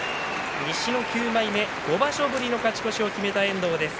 西の９枚目、５場所ぶりの勝ち越しを決めた遠藤です。